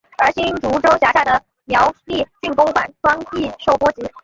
而新竹州辖下的苗栗郡公馆庄亦受波及。